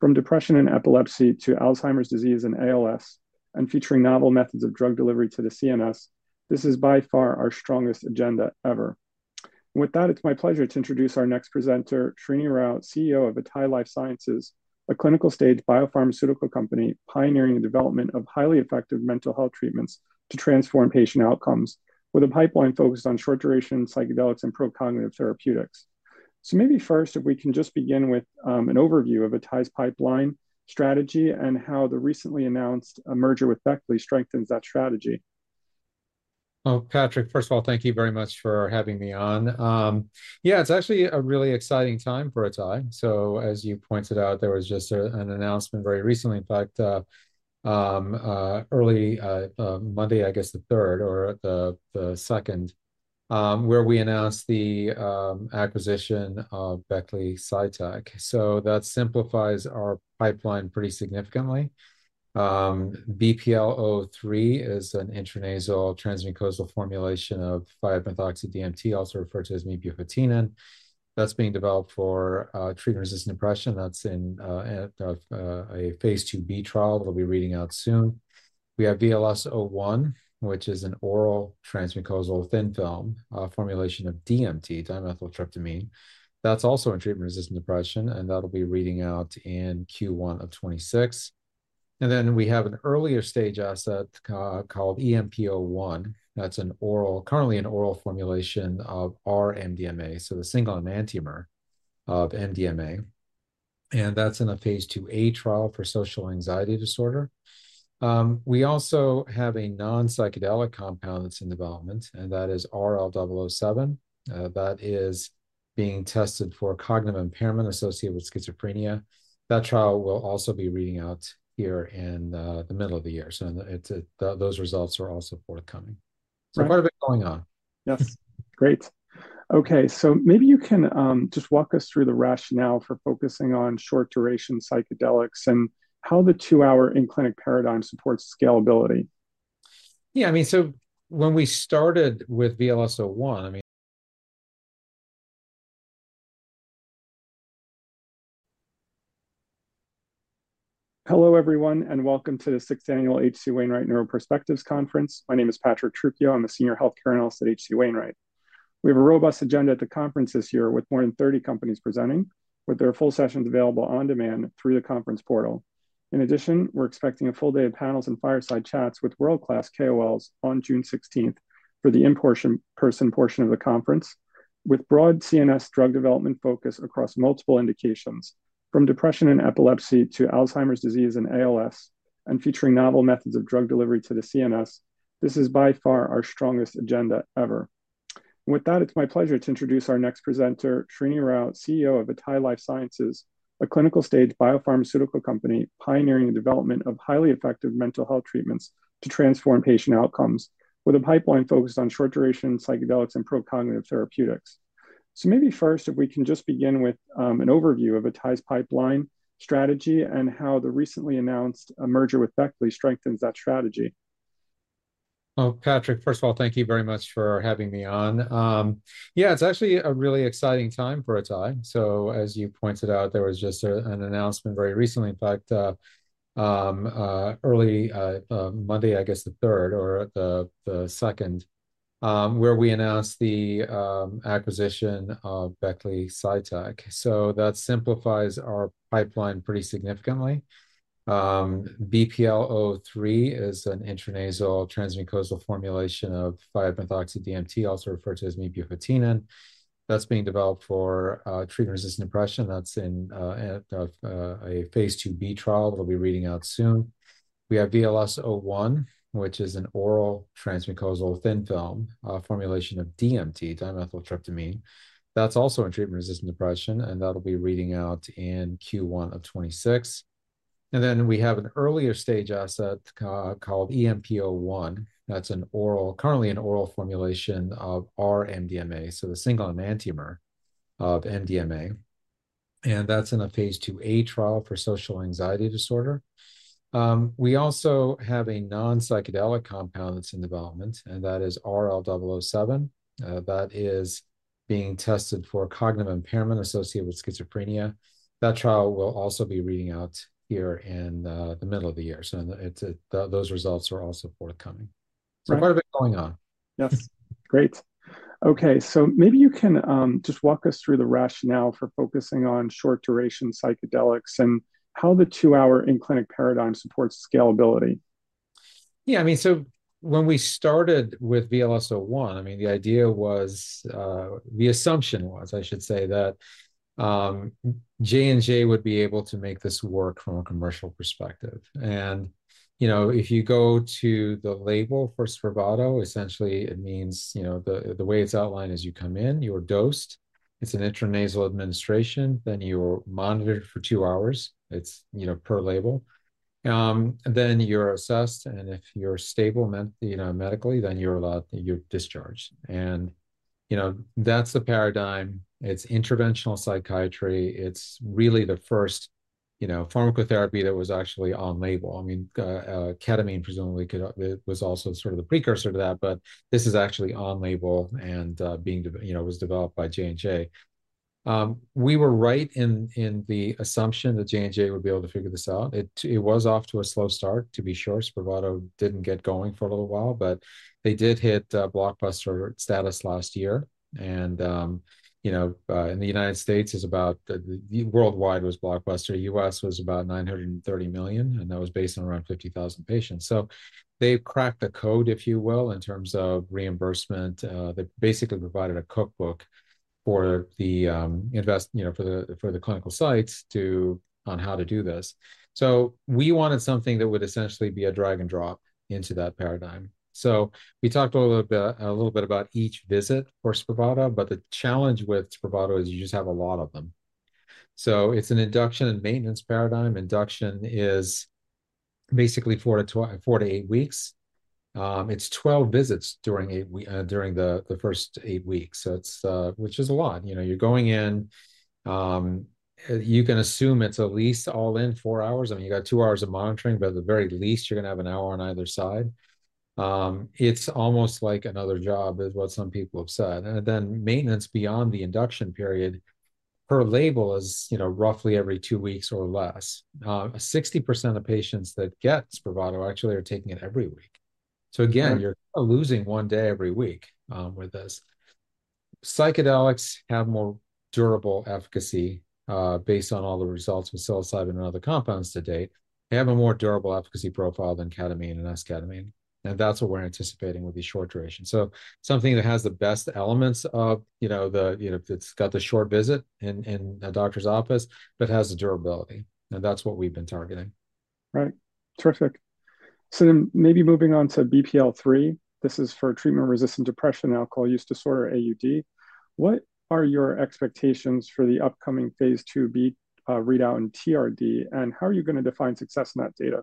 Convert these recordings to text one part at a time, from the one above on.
from depression and epilepsy to Alzheimer's disease and ALS, and featuring novel methods of drug delivery to the CNS. This is by far our strongest agenda ever. With that, it's my pleasure to introduce our next presenter, Srinivas Rao, CEO of Atai Life Sciences, a clinical stage biopharmaceutical company pioneering the development of highly effective mental health treatments to transform patient outcomes, with a pipeline focused on short duration psychedelics and pro-cognitive therapeutics. Maybe first, if we can just begin with an overview of Atai's pipeline strategy and how the recently announced merger with Beckley strengthens that strategy. Oh, Patrick, first of all, thank you very much for having me on. Yeah, it's actually a really exciting time for Atai. As you pointed out, there was just an announcement very recently, in fact, early Monday, I guess the 3rd or the 2nd, where we announced the acquisition of Beckley SciTech. That simplifies our pipeline pretty significantly. BPL-003 is an intranasal transmucosal formulation of 5-methoxy-DMT, also referred to as mebufotenin. That's being developed for treatment-resistant depression. That's in a phase 2B trial we'll be reading out soon. We have VLS-01, which is an oral transmucosal thin film formulation of DMT, dimethyltryptamine. That's also in treatment-resistant depression, and that'll be reading out in Q1 of 2026. We have an earlier stage asset called EMP-01. That's currently an oral formulation of R-MDMA, so the single enantiomer of MDMA. That's in a phase 2A trial for social anxiety disorder. We also have a non-psychedelic compound that's in development, and that is RL-007. That is being tested for cognitive impairment associated with schizophrenia. That trial will also be reading out here in the middle of the year. Those results are also forthcoming. Quite a bit going on. Yes, great. Okay, so maybe you can just walk us through the rationale for focusing on short duration psychedelics and how the two-hour in-clinic paradigm supports scalability. Yeah, I mean, so when we started with VLS-01, I mean, the idea was, the assumption was, I should say, that J&J would be able to make this work from a commercial perspective. And, you know, if you go to the label for Spravato, essentially it means, you know, the way it's outlined is you come in, you're dosed, it's an intranasal administration, then you're monitored for two hours, it's, you know, per label, then you're assessed, and if you're stable medically, then you're allowed, you're discharged. And, you know, that's the paradigm. It's interventional psychiatry. It's really the first, you know, pharmacotherapy that was actually on label. I mean, ketamine presumably was also sort of the precursor to that, but this is actually on label and being, you know, was developed by J&J. We were right in the assumption that J&J would be able to figure this out. It was off to a slow start, to be sure. Spravato did not get going for a little while, but they did hit blockbuster status last year. And, you know, in the U.S., is about worldwide was blockbuster. U.S. was about $930 million, and that was based on around 50,000 patients. So they have cracked the code, if you will, in terms of reimbursement. They basically provided a cookbook for the, you know, for the clinical sites to on how to do this. So we wanted something that would essentially be a drag and drop into that paradigm. So we talked a little bit about each visit for Spravato, but the challenge with Spravato is you just have a lot of them. So it is an induction and maintenance paradigm. Induction is basically four to eight weeks. It is 12 visits during the first eight weeks, which is a lot. You know, you're going in, you can assume it's at least all in four hours. I mean, you got two hours of monitoring, but at the very least, you're going to have an hour on either side. It's almost like another job is what some people have said. Then maintenance beyond the induction period, per label is, you know, roughly every two weeks or less. 60% of patients that get Spravato actually are taking it every week. Again, you're losing one day every week with this. Psychedelics have more durable efficacy based on all the results with psilocybin and other compounds to date. They have a more durable efficacy profile than ketamine and esketamine. That's what we're anticipating with these short durations. Something that has the best elements of, you know, it's got the short visit in a doctor's office, but has the durability. That is what we've been targeting. Right, terrific. Maybe moving on to BPL-003. This is for treatment-resistant depression, alcohol use disorder, AUD. What are your expectations for the upcoming phase 2B readout in TRD, and how are you going to define success in that data?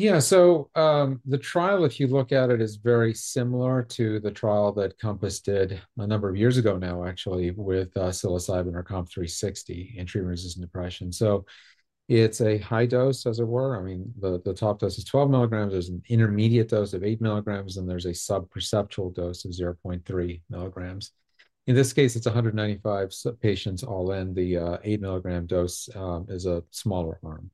Yeah, so the trial, if you look at it, is very similar to the trial that Compass did a number of years ago now, actually, with psilocybin or COMP360 in treatment-resistant depression. It's a high dose, as it were. I mean, the top dose is 12 mg. There's an intermediate dose of 8 mg, and there's a subperceptual dose of 0.3 mg. In this case, it's 195 patients all in. The 8 mg dose is a smaller arm.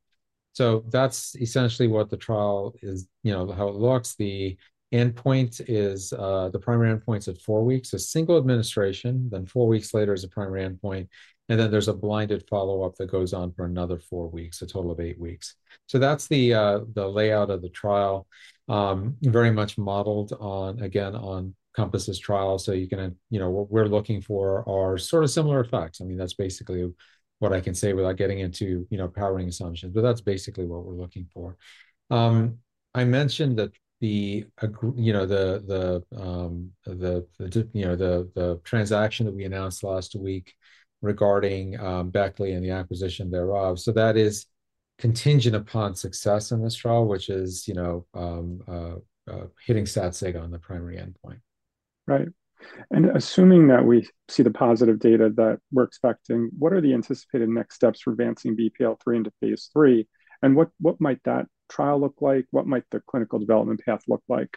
So that's essentially what the trial is, you know, how it looks. The endpoint is the primary endpoint's at four weeks, a single administration, then four weeks later is a primary endpoint, and then there's a blinded follow-up that goes on for another four weeks, a total of eight weeks. That's the layout of the trial, very much modeled on, again, on Compass's trial. You know, what we're looking for are sort of similar effects. I mean, that's basically what I can say without getting into, you know, powering assumptions, but that's basically what we're looking for. I mentioned that the, you know, the transaction that we announced last week regarding Beckley and the acquisition thereof. That is contingent upon success in this trial, which is, you know, hitting Satsiga on the primary endpoint. Right. Assuming that we see the positive data that we're expecting, what are the anticipated next steps for advancing BPL-003 into phase 3? What might that trial look like? What might the clinical development path look like?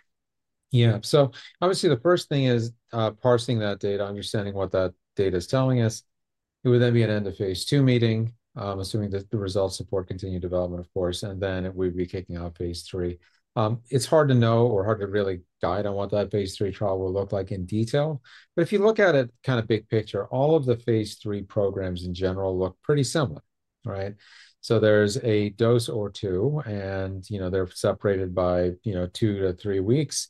Yeah, so obviously the first thing is parsing that data, understanding what that data is telling us. It would then be an end of phase 2 meeting, assuming that the results support continued development, of course, and then we'd be kicking off phase 3. It's hard to know or hard to really guide on what that phase 3 trial will look like in detail. If you look at it kind of big picture, all of the phase 3 programs in general look pretty similar, right? There's a dose or two, and, you know, they're separated by, you know, two to three weeks.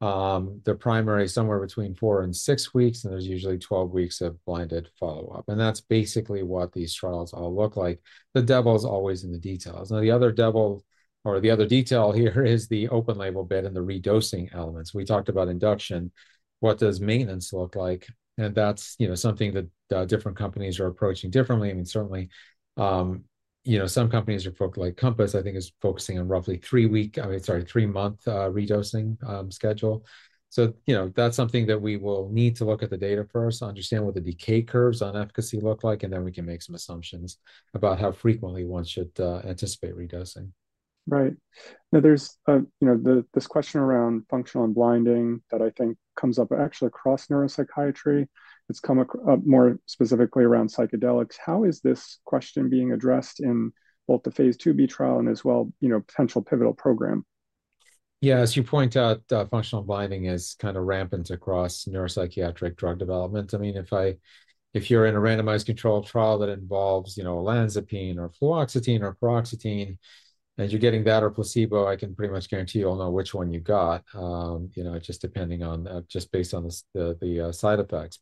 The primary is somewhere between four and six weeks, and there's usually 12 weeks of blinded follow-up. That's basically what these trials all look like. The devil's always in the details. Now, the other devil, or the other detail here is the open label bit and the redosing elements. We talked about induction. What does maintenance look like? That is, you know, something that different companies are approaching differently. I mean, certainly, you know, some companies are focused like Compass, I think, is focusing on roughly three-week, I mean, sorry, three-month redosing schedule. You know, that is something that we will need to look at the data first, understand what the decay curves on efficacy look like, and then we can make some assumptions about how frequently one should anticipate redosing. Right. Now, there's, you know, this question around functional and blinding that I think comes up actually across neuropsychiatry. It's come up more specifically around psychedelics. How is this question being addressed in both the phase 2B trial and as well, you know, potential pivotal program? Yeah, as you point out, functional unblinding is kind of rampant across neuropsychiatric drug development. I mean, if you're in a randomized control trial that involves, you know, olanzapine or fluoxetine or paroxetine, and you're getting that or placebo, I can pretty much guarantee you'll know which one you got, you know, just depending on, just based on the side effects.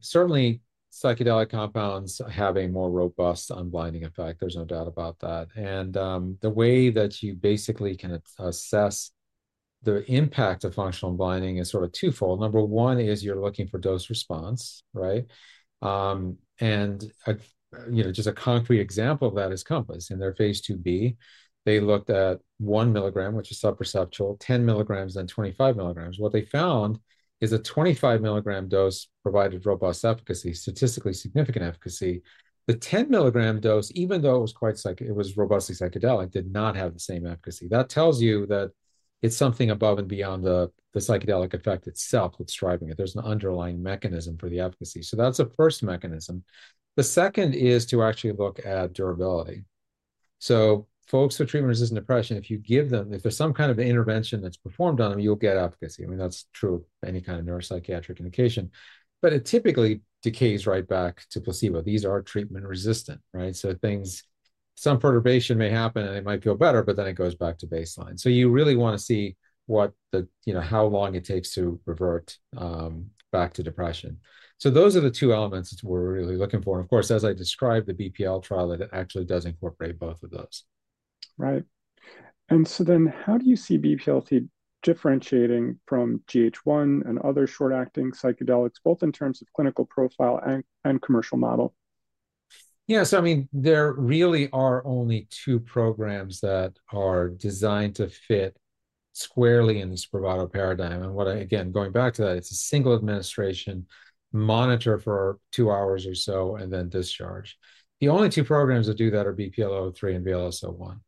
Certainly, psychedelic compounds have a more robust unblinding effect. There's no doubt about that. The way that you basically can assess the impact of functional unblinding is sort of twofold. Number one is you're looking for dose response, right? You know, just a concrete example of that is Compass. In their phase 2B, they looked at 1 mg, which is subperceptual, 10 mg, then 25 mg. What they found is a 25 mg dose provided robust efficacy, statistically significant efficacy. The 10 mg dose, even though it was quite psych, it was robustly psychedelic, did not have the same efficacy. That tells you that it's something above and beyond the psychedelic effect itself that's driving it. There's an underlying mechanism for the efficacy. That's the first mechanism. The second is to actually look at durability. Folks with treatment-resistant depression, if you give them, if there's some kind of intervention that's performed on them, you'll get efficacy. I mean, that's true of any kind of neuropsychiatric indication. It typically decays right back to placebo. These are treatment-resistant, right? Things, some perturbation may happen, and it might feel better, but then it goes back to baseline. You really want to see what the, you know, how long it takes to revert back to depression. Those are the two elements that we're really looking for. As I described, the BPL trial actually does incorporate both of those. Right. And so then how do you see BPL-003 differentiating from GH001 and other short-acting psychedelics, both in terms of clinical profile and commercial model? Yeah, so I mean, there really are only two programs that are designed to fit squarely in the Spravato paradigm. What, again, going back to that, it's a single administration, monitor for two hours or so, and then discharge. The only two programs that do that are BPL-003 and VLS-01.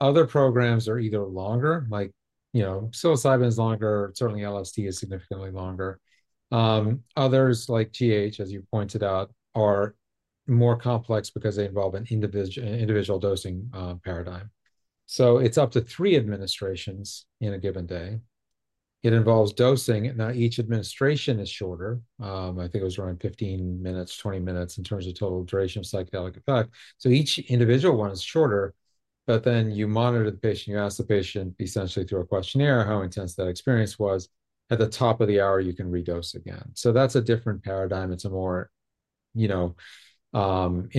Other programs are either longer, like, you know, psilocybin's longer, certainly LSD is significantly longer. Others, like GH, as you pointed out, are more complex because they involve an individual dosing paradigm. It's up to three administrations in a given day. It involves dosing, and now each administration is shorter. I think it was around 15 minutes, 20 minutes in terms of total duration of psychedelic effect. Each individual one is shorter, but then you monitor the patient, you ask the patient essentially through a questionnaire how intense that experience was. At the top of the hour, you can redose again. That is a different paradigm. It is a more, you know,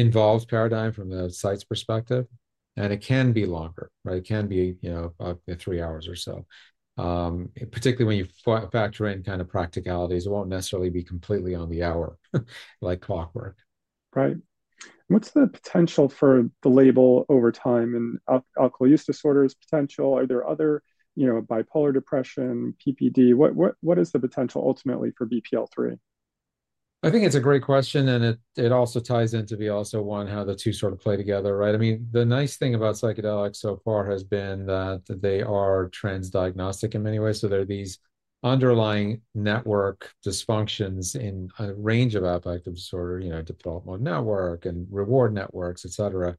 involved paradigm from the site's perspective. It can be longer, right? It can be, you know, three hours or so. Particularly when you factor in kind of practicalities, it will not necessarily be completely on the hour, like clockwork. Right. What's the potential for the label over time in alcohol use disorder's potential? Are there other, you know, bipolar depression, PPD? What is the potential ultimately for BPL-003? I think it's a great question, and it also ties into VLS-01, how the two sort of play together, right? I mean, the nice thing about psychedelics so far has been that they are transdiagnostic in many ways. There are these underlying network dysfunctions in a range of affective disorder, you know, developmental network and reward networks, et cetera.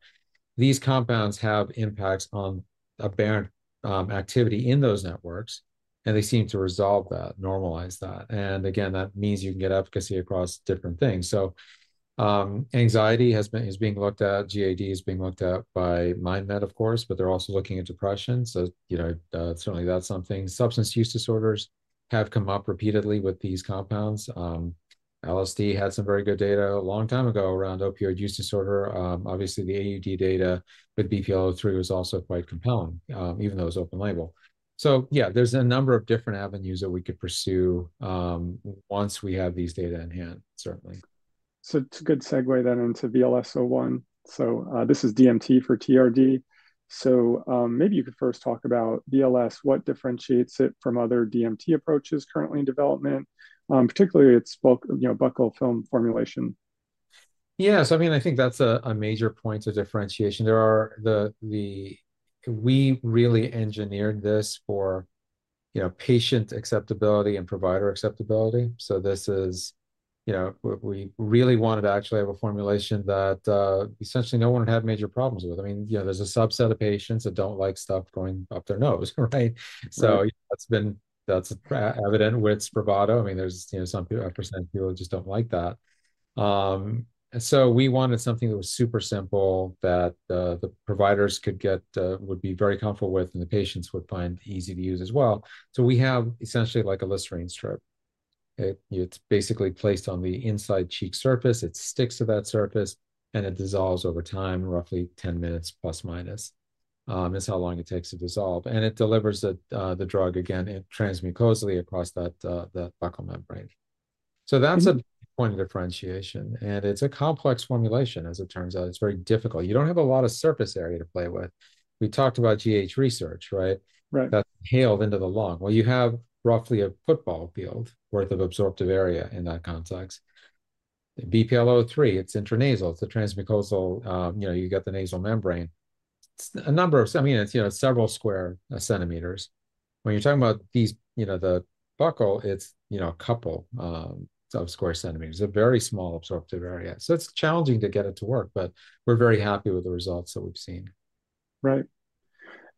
These compounds have impacts on aberrant activity in those networks, and they seem to resolve that, normalize that. Again, that means you can get efficacy across different things. Anxiety has been looked at, GAD has been looked at by MindMed, of course, but they're also looking at depression. Certainly that's something. Substance use disorders have come up repeatedly with these compounds. LSD had some very good data a long time ago around opioid use disorder. Obviously, the AUD data with BPL-003 was also quite compelling, even though it was open label. Yeah, there's a number of different avenues that we could pursue once we have these data in hand, certainly. It's a good segue then into VLS-01. This is DMT for TRD. Maybe you could first talk about VLS, what differentiates it from other DMT approaches currently in development, particularly its, you know, buccal film formulation. Yeah, so I mean, I think that's a major point of differentiation. There are the, we really engineered this for, you know, patient acceptability and provider acceptability. This is, you know, we really wanted to actually have a formulation that essentially no one had major problems with. I mean, you know, there's a subset of patients that don't like stuff going up their nose, right? That's evident with Spravato. I mean, there's, you know, some % of people just don't like that. We wanted something that was super simple that the providers could get, would be very comfortable with, and the patients would find easy to use as well. We have essentially like a Listerine strip. It's basically placed on the inside cheek surface. It sticks to that surface, and it dissolves over time, roughly 10 minutes plus minus. It's how long it takes to dissolve. It delivers the drug, again, transmucosally across that buccal membrane. That's a point of differentiation. It's a complex formulation, as it turns out. It's very difficult. You don't have a lot of surface area to play with. We talked about GH Research, right? Right. That's hailed into the lung. You have roughly a football field worth of absorptive area in that context. BPL-003, it's intranasal. It's a transmucosal, you know, you get the nasal membrane. It's a number of, I mean, it's, you know, several square centimeters. When you're talking about these, you know, the buccal, it's, you know, a couple of square centimeters. A very small absorptive area. It's challenging to get it to work, but we're very happy with the results that we've seen. Right.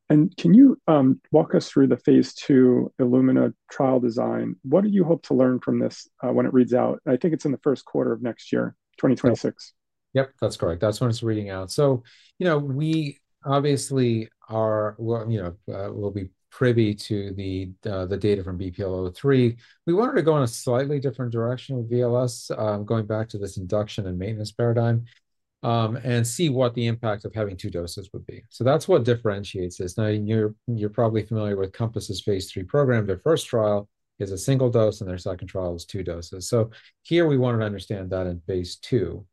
Can you walk us through the phase 2 Illumina trial design? What do you hope to learn from this when it reads out? I think it's in the first quarter of next year, 2026. Yep, that's correct. That's when it's reading out. You know, we obviously are, you know, will be privy to the data from BPL-003. We wanted to go in a slightly different direction with VLS, going back to this induction and maintenance paradigm, and see what the impact of having two doses would be. That's what differentiates this. Now, you're probably familiar with Compass's phase 3 program. Their first trial is a single dose, and their second trial is two doses. Here we want to understand that in phase 2.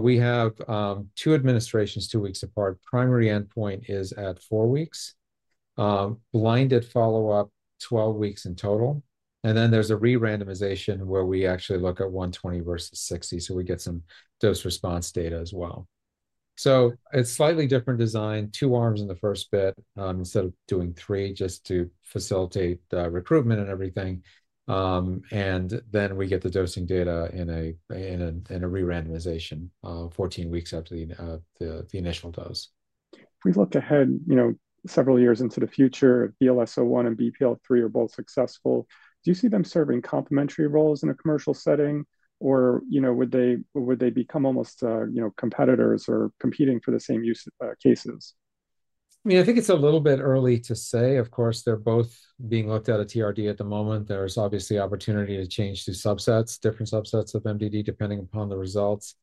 We have two administrations two weeks apart. Primary endpoint is at four weeks. Blinded follow-up, 12 weeks in total. Then there's a re-randomization where we actually look at 120 versus 60. We get some dose response data as well. It's slightly different design, two arms in the first bit instead of doing three, just to facilitate recruitment and everything. Then we get the dosing data in a re-randomization, 14 weeks after the initial dose. If we look ahead, you know, several years into the future, VLS-01 and BPL-003 are both successful. Do you see them serving complementary roles in a commercial setting? Or, you know, would they become almost, you know, competitors or competing for the same use cases? I mean, I think it's a little bit early to say. Of course, they're both being looked at at TRD at the moment. There's obviously opportunity to change the subsets, different subsets of MDD depending upon the results.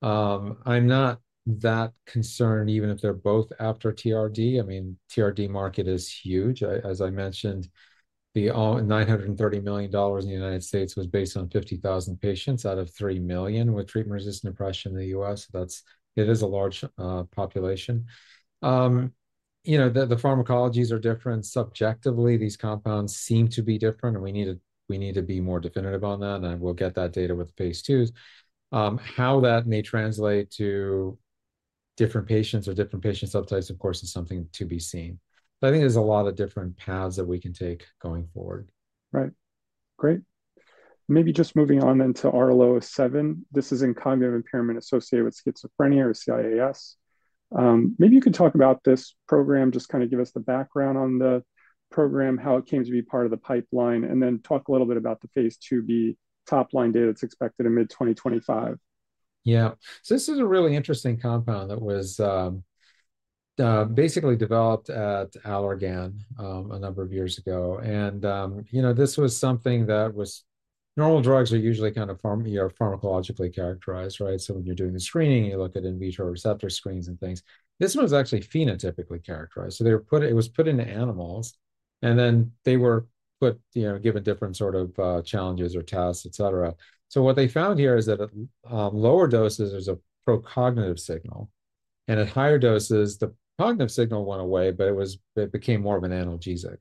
I'm not that concerned, even if they're both after TRD. I mean, the TRD market is huge. As I mentioned, the $930 million in the U.S. was based on 50,000 patients out of 3 million with treatment-resistant depression in the U.S. That's, it is a large population. You know, the pharmacologies are different. Subjectively, these compounds seem to be different, and we need to be more definitive on that. You know, we'll get that data with phase 2s. How that may translate to different patients or different patient subtypes, of course, is something to be seen. I think there's a lot of different paths that we can take going forward. Right. Great. Maybe just moving on then to RL-007. This is in cognitive impairment associated with schizophrenia or CIAS. Maybe you could talk about this program, just kind of give us the background on the program, how it came to be part of the pipeline, and then talk a little bit about the phase 2B top-line data that's expected in mid-2025. Yeah. So this is a really interesting compound that was basically developed at Allergan a number of years ago. And, you know, this was something that was, normal drugs are usually kind of pharmacologically characterized, right? So when you're doing the screening, you look at in vitro receptor screens and things. This one was actually phenotypically characterized. So they were put, it was put into animals, and then they were put, you know, given different sort of challenges or tasks, et cetera. So what they found here is that at lower doses, there's a pro-cognitive signal. And at higher doses, the cognitive signal went away, but it became more of an analgesic.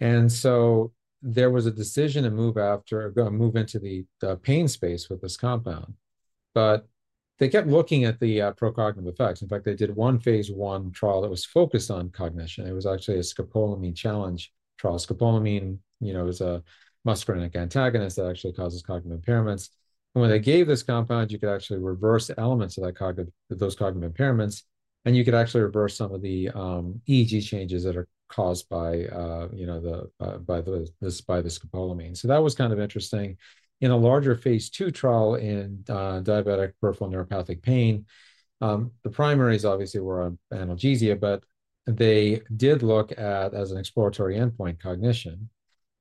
And so there was a decision to move after, move into the pain space with this compound. But they kept looking at the pro-cognitive effects. In fact, they did one phase one trial that was focused on cognition. It was actually a scopolamine challenge trial. Scopolamine, you know, is a muscarinic antagonist that actually causes cognitive impairments. And when they gave this compound, you could actually reverse the elements of those cognitive impairments, and you could actually reverse some of the EEG changes that are caused by, you know, the, by the scopolamine. That was kind of interesting. In a larger phase two trial in diabetic peripheral neuropathic pain, the primaries obviously were analgesia, but they did look at, as an exploratory endpoint, cognition,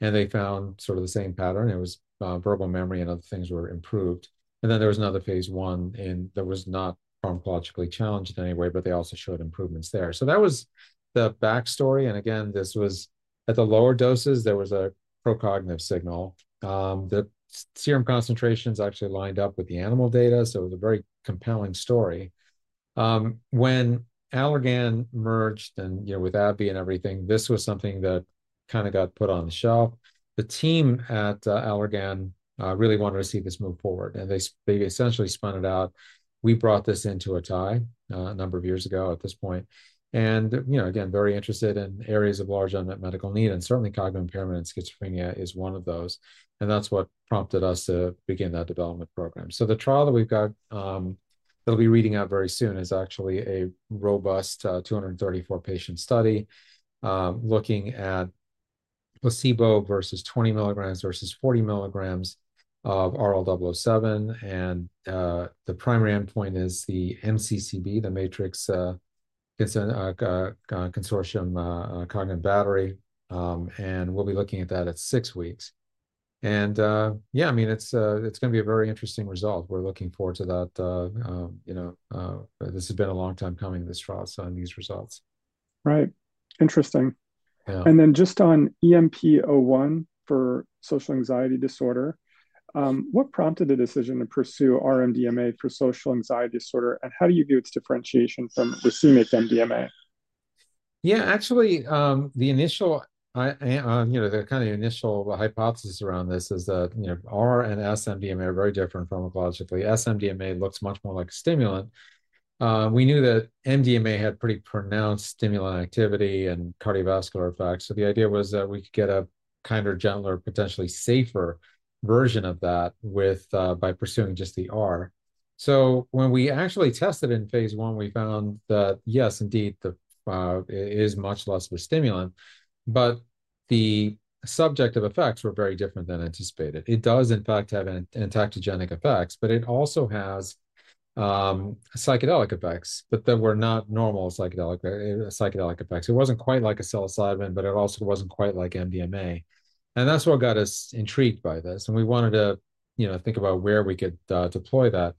and they found sort of the same pattern. It was verbal memory and other things were improved. There was another phase one in that was not pharmacologically challenged in any way, but they also showed improvements there. That was the backstory. Again, this was at the lower doses, there was a pro-cognitive signal. The serum concentrations actually lined up with the animal data. It was a very compelling story. When Allergan merged, you know, with AbbVie and everything, this was something that kind of got put on the shelf. The team at Allergan really wanted to see this move forward, and they essentially spun it out. We brought this into Atai a number of years ago at this point. You know, again, very interested in areas of large unmet medical need, and certainly cognitive impairment in schizophrenia is one of those. That is what prompted us to begin that development program. The trial that we've got, that'll be reading out very soon, is actually a robust 234-patient study looking at placebo versus 20 mg versus 40 mg of RL-007. The primary endpoint is the MCCB, the MATRICS Consensus Cognitive Battery. We'll be looking at that at six weeks. Yeah, I mean, it's going to be a very interesting result. We're looking forward to that, you know, this has been a long time coming, this trial, so on these results. Right. Interesting. And then just on EMP-01 for social anxiety disorder, what prompted the decision to pursue R-MDMA for social anxiety disorder? And how do you view its differentiation from racemic MDMA? Yeah, actually, the initial, you know, the kind of initial hypothesis around this is that, you know, R and S MDMA are very different pharmacologically. S MDMA looks much more like a stimulant. We knew that MDMA had pretty pronounced stimulant activity and cardiovascular effects. The idea was that we could get a kind of gentler, potentially safer version of that by pursuing just the R. When we actually tested in phase one, we found that yes, indeed, it is much less of a stimulant, but the subjective effects were very different than anticipated. It does, in fact, have intactogenic effects, but it also has psychedelic effects, but that were not normal psychedelic effects. It was not quite like a psilocybin, but it also was not quite like MDMA. That is what got us intrigued by this. We wanted to, you know, think about where we could deploy that.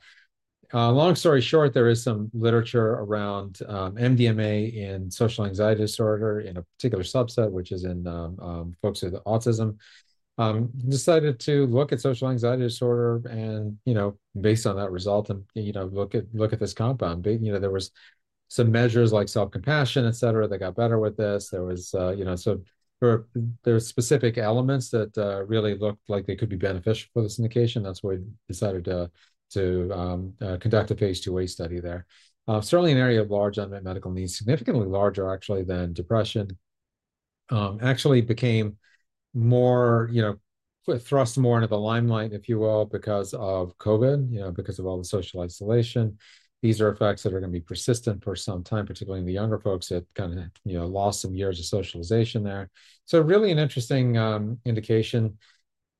Long story short, there is some literature around MDMA in social anxiety disorder in a particular subset, which is in folks with autism. Decided to look at social anxiety disorder and, you know, based on that result, you know, look at this compound. You know, there were some measures like self-compassion, et cetera, that got better with this. There was, you know, so there were specific elements that really looked like they could be beneficial for this indication. That's why we decided to conduct a phase two wave study there. Certainly an area of large unmet medical needs, significantly larger actually than depression. Actually became more, you know, thrust more into the limelight, if you will, because of COVID, you know, because of all the social isolation. These are effects that are going to be persistent for some time, particularly in the younger folks that kind of, you know, lost some years of socialization there. Really an interesting indication,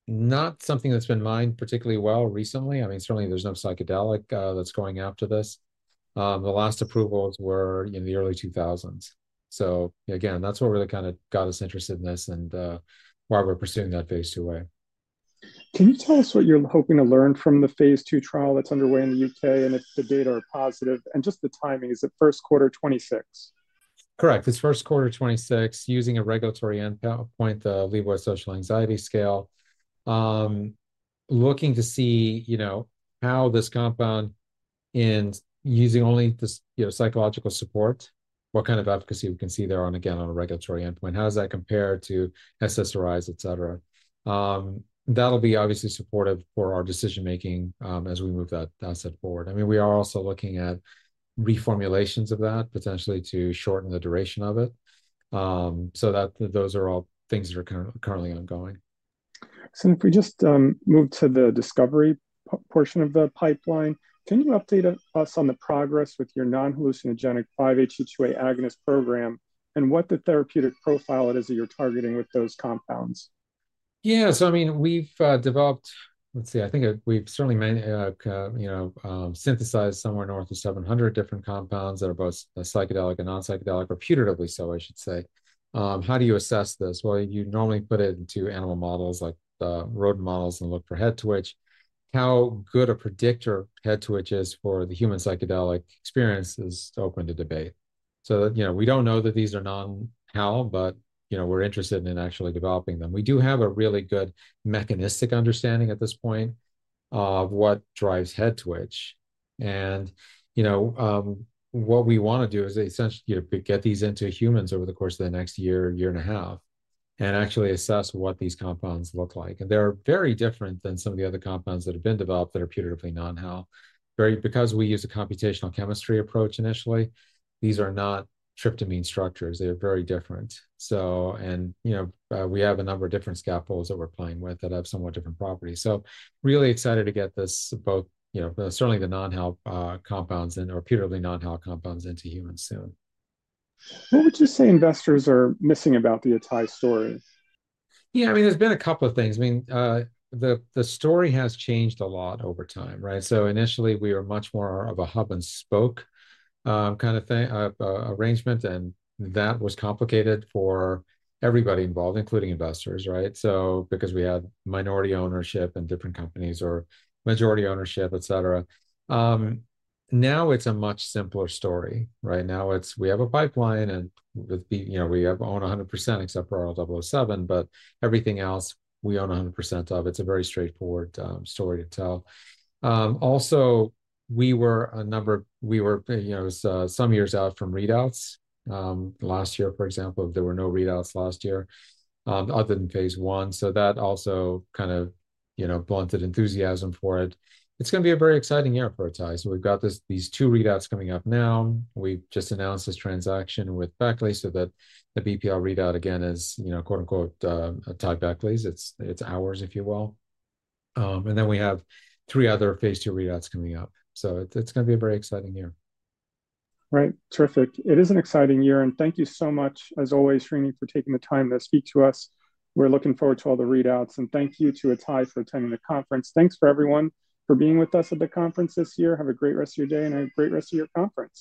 not something that's been mined particularly well recently. I mean, certainly there's no psychedelic that's going after this. The last approvals were, you know, the early 2000s. Again, that's what really kind of got us interested in this and why we're pursuing that phase two way. Can you tell us what you're hoping to learn from the phase two trial that's underway in the U.K. and if the data are positive? Just the timing, is it first quarter 2026? Correct. It's first quarter 2026 using a regulatory endpoint, the Liebowitz Social Anxiety Scale, looking to see, you know, how this compound in using only this, you know, psychological support, what kind of efficacy we can see there on, again, on a regulatory endpoint. How does that compare to SSRIs, et cetera? That'll be obviously supportive for our decision-making as we move that asset forward. I mean, we are also looking at reformulations of that potentially to shorten the duration of it. Those are all things that are currently ongoing. If we just move to the discovery portion of the pipeline, can you update us on the progress with your non-hallucinogenic 5-HT2A agonist program and what the therapeutic profile it is that you're targeting with those compounds? Yeah. So I mean, we've developed, let's see, I think we've certainly, you know, synthesized somewhere north of 700 different compounds that are both psychedelic and non-psychedelic, reputatively so, I should say. How do you assess this? You normally put it into animal models like rodent models and look for head twitch. How good a predictor head twitch is for the human psychedelic experience is open to debate. You know, we don't know that these are non-hal, but, you know, we're interested in actually developing them. We do have a really good mechanistic understanding at this point of what drives head twitch. You know, what we want to do is essentially, you know, get these into humans over the course of the next year, year and a half, and actually assess what these compounds look like. They're very different than some of the other compounds that have been developed that are putatively non-hal. Because we use a computational chemistry approach initially, these are not tryptamine structures. They're very different. You know, we have a number of different scaffolds that we're playing with that have somewhat different properties. Really excited to get this, both, you know, certainly the non-hal compounds and reputatively non-hal compounds into humans soon. What would you say investors are missing about the Atai story? Yeah, I mean, there's been a couple of things. I mean, the story has changed a lot over time, right? Initially we were much more of a hub-and-spoke kind of arrangement, and that was complicated for everybody involved, including investors, right? Because we had minority ownership in different companies or majority ownership, et cetera. Now it's a much simpler story, right? Now it's, we have a pipeline and, you know, we own 100% except for RL-007, but everything else we own 100% of. It's a very straightforward story to tell. Also, we were, you know, some years out from readouts. Last year, for example, there were no readouts last year other than phase one. That also kind of, you know, blunted enthusiasm for it. It's going to be a very exciting year for Atai. We've got these two readouts coming up now. We've just announced this transaction with Beckley so that the BPL readout again is, you know, quote unquote, Atai Beckley's. It's ours, if you will. And then we have three other phase two readouts coming up. It's going to be a very exciting year. Right. Terrific. It is an exciting year. Thank you so much, as always, Srinivas, for taking the time to speak to us. We are looking forward to all the readouts. Thank you to Atai for attending the conference. Thanks to everyone for being with us at the conference this year. Have a great rest of your day and a great rest of your conference.